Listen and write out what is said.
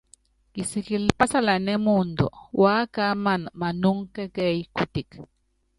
Kisikili pásalanɛ́ muundɔ, wákámana manúŋɔ kɛ́kɛ́yí kutek.